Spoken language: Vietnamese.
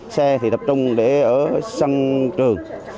xe thì tập trung để ở sân trường